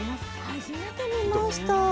初めて見ましたホップ。